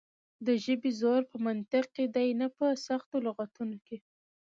د ژبې زور په منطق کې دی نه په سختو لغتونو.